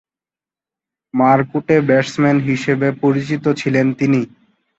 মারকুটে batsman হিসেবে পরিচিত ছিলেন তিনি।